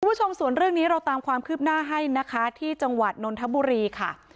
คุณผู้ชมส่วนเรื่องนี้เราตามความคืบหน้าให้นะคะที่จังหวัดนนทบุรีค่ะ